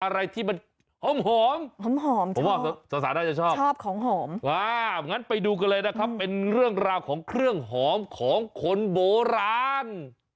อะไรที่มันหอมหอมผมว่าสาวน่าจะชอบชอบของหอมงั้นไปดูกันเลยนะครับเป็นเรื่องราวของเครื่องหอมของคนโบราณ